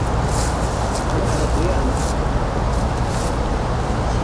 It's a game, and it's a learning experience.